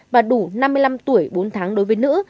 và đủ năm mươi năm tuổi bốn tháng đối với nữ